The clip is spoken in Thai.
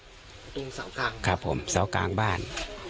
ตรงเสากลางครับครับผมเสากลางบ้าน